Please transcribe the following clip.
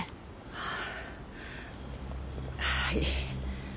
はい。